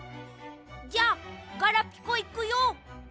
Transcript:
じゃあガラピコいくよ。